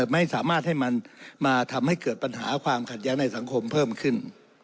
ไม่สามารถให้มันมาทำให้เกิดปัญหาความขัดแย้งในสังคมเพิ่มขึ้น